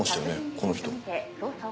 この人。